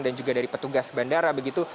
dan juga dari petugas bandara begitu